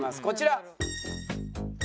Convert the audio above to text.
こちら！